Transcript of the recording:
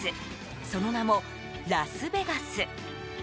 その名も、ラスベガス。